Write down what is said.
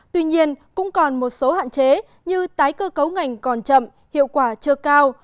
tuy nhiên cũng còn một số hạn chế như tái cơ cấu ngành còn chậm hiệu quả chưa cao